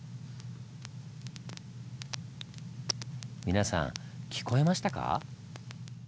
皆さん聞こえましたか？